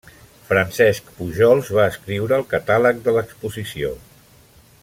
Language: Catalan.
Francesc Pujols va escriure el catàleg de l'exposició.